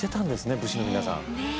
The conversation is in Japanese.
武士の皆さん。